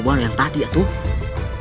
uang yang tadi ya tuh